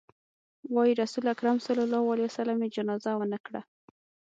وايي رسول اکرم ص يې جنازه ونه کړه.